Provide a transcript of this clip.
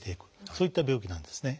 そういった病気なんですね。